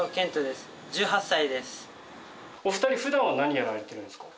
お二人普段は何やられてるんですか？